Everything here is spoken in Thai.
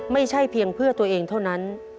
ไม่ใช่เพียงเพื่อตัวเองเท่านั้น